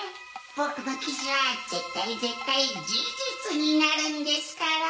僕の記事は絶対絶対事実になるんですから。